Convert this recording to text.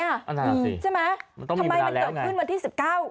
อ๋อน่าสิใช่ไหมมันต้องมีประมาณแล้วไงทำไมมันเกิดขึ้นวันที่สิบเก้า